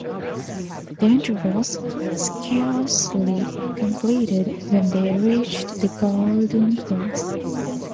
The entry was scarcely completed when they reached the Golden Cross.